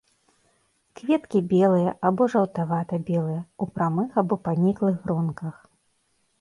Кветкі белыя або жаўтавата-белыя, у прамых або паніклых гронках.